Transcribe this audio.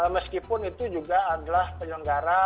meskipun itu juga adalah penyelenggara